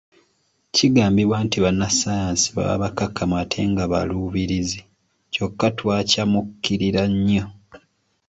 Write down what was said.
Kigambibwa nti bannassaayansi baba bakkakkamu ate nga baluubirizi, kyokka twacamuukirira nnyo.